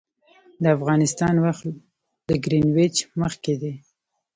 د افغانستان وخت له ګرینویچ مخکې دی